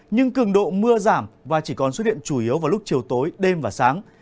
nhưng cường độ mưa giảm và chỉ còn xuất hiện chủ yếu vào lúc chiều tối đêm và sáng